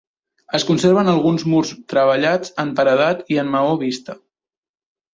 Es conserven alguns murs treballats en paredat i en maó vista.